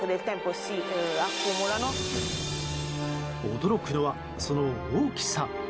驚くのは、その大きさ。